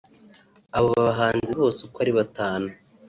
Aba bahanzi bose uko ari batanu